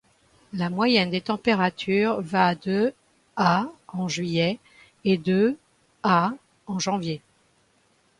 La moyenne des températures va de à en juillet et de à en janvier.